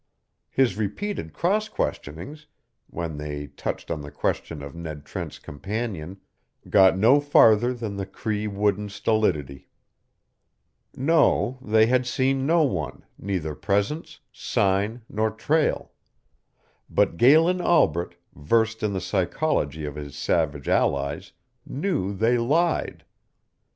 His repeated cross questionings, when they touched on the question of Ned Trent's companion, got no farther than the Cree wooden stolidity. No, they had seen no one, neither presence, sign, nor trail. But Galen Albret, versed in the psychology of his savage allies, knew they lied.